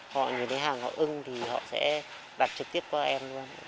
họ nhìn thấy hàng họ ưng thì họ sẽ đặt trực tiếp qua em luôn